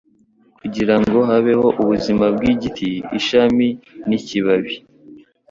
kugira ngo habeho ubuzima bw'igiti, ishami n'ikibabi.